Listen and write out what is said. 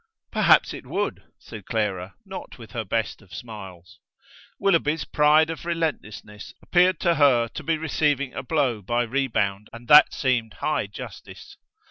"Perhaps it would," said Clara, not with her best of smiles. Willoughby's pride of relentlessness appeared to her to be receiving a blow by rebound, and that seemed high justice.